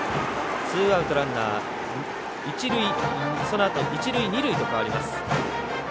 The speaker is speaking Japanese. ツーアウト、ランナーそのあと一塁二塁へと変わります。